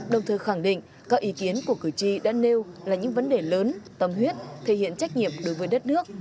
đồng thời khẳng định các ý kiến của cử tri đã nêu là những vấn đề lớn tâm huyết thể hiện trách nhiệm đối với đất nước